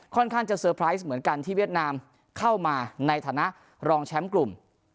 ค่อนข้างจะเตอร์ไพรส์เหมือนกันที่เวียดนามเข้ามาในฐานะรองแชมป์กลุ่ม